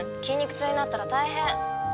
筋肉痛になったら大変。